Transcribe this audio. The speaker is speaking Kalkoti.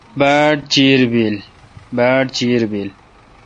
باڑ چیر بل۔